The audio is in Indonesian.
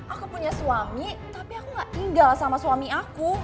aku punya suami tapi aku gak tinggal sama suami aku